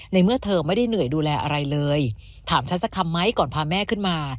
ในเมื่อเธอไม่ได้เหนื่อยดูแลอะไรเลยถามฉันสักคำไหมก่อนพาแม่ขึ้นมา